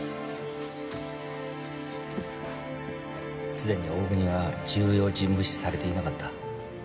すでに大國は重要人物視されていなかった。